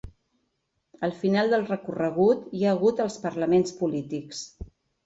Al final del recorregut hi ha hagut els parlaments polítics.